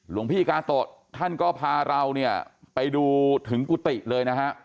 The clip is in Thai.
หลวงพี่กาโตะท่านก็พาเราเนี่ยไปดูถึงกุฏิเลยนะฮะ